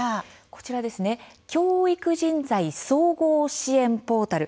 こちらですね教育人材総合支援ポータル